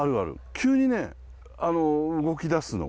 急にね動きだすの。